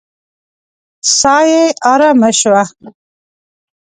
ساه يې آرامه شوه.